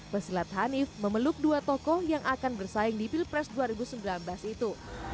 pesilat hanif memeluk dua tokoh yang akan bersaing di pilpres dua ribu sembilan belas itu